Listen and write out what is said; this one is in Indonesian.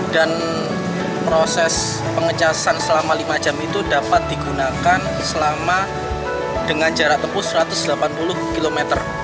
dan proses pengecasan selama lima jam itu dapat digunakan selama dengan jarak tempuh satu ratus delapan puluh km